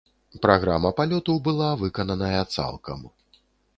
Праграма палёту была выкананая цалкам.